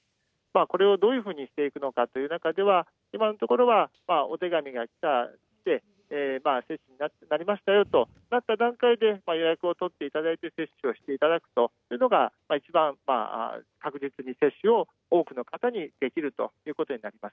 これをどういうふうにしていくのかという中では、今のところはお手紙が来て、接種になりましたよという段階で予約を取っていただいて接種をしていただくというのが、一番確実に接種を多くの方にできるということになります。